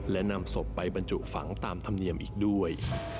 และนำศพไปบรรจุฝังตามธรรมเนียมอีกด้วย